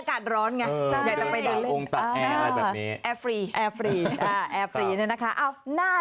ช่วงนี้อากาศร้อนนะ